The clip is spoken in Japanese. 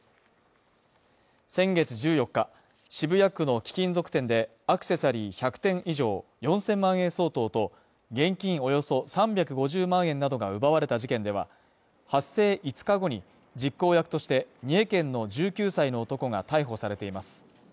先月１４日、渋谷区の貴金属店でアクセサリー１００点以上４０００万円相当と、現金およそ３５０万円などが奪われた事件では、発生５日後に実行役として、三重県の１９歳の男が逮捕されています。